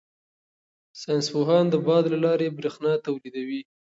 ساینس پوهان د باد له لارې بریښنا تولیدوي.